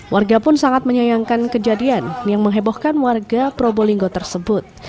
warga pun sangat menyayangkan kejadian yang menghebohkan warga probolinggo tersebut